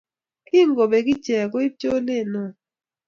kingobeek iche koib cholet neo